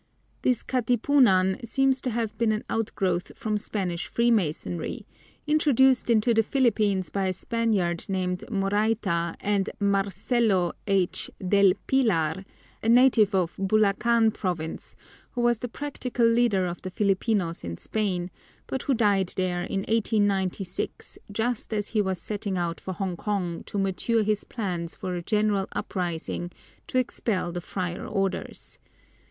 This Katipunan seems to have been an outgrowth from Spanish freemasonry, introduced into the Philippines by a Spaniard named Morayta and Marcelo H. del Pilar, a native of Bulacan Province who was the practical leader of the Filipinos in Spain, but who died there in 1896 just as he was setting out for Hongkong to mature his plans for a general uprising to expel the friar orders.